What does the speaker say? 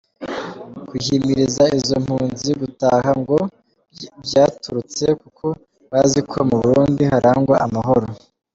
Guhimiriza izo mpunzi gutaha ngo vyaturutse kuko bazi ko mu Burundi harangwa amahoro.